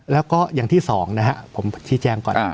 แล้วก็อย่างที่สองนะฮะผมชี้แจงก่อน